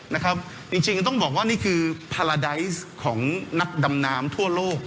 นะครับจริงจริงต้องบอกว่านี่คือของนักดำนามทั่วโลก